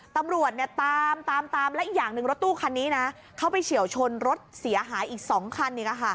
ตำรวจเนี่ยตามตามและอีกอย่างหนึ่งรถตู้คันนี้นะเขาไปเฉียวชนรถเสียหายอีก๒คันอีก